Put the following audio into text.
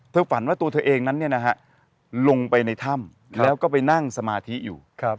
ฝันว่าตัวเธอเองนั้นลงไปในถ้ำแล้วก็ไปนั่งสมาธิอยู่